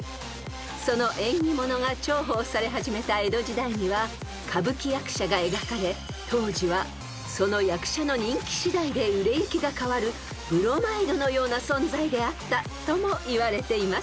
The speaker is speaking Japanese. ［その縁起物が重宝され始めた江戸時代には歌舞伎役者が描かれ当時はその役者の人気しだいで売れ行きが変わるブロマイドのような存在であったともいわれています］